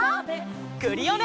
クリオネ！